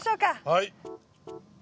はい。